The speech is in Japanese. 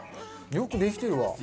よくできてるわ。